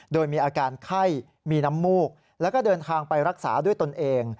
โดยมีอาการไข้มีน้ำมูกแล้วก็เดินทางไปรักษาด้วยตนเอง